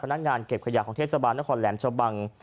นักงานเก็บขยะของเทศบาลนครแหลมชะบัง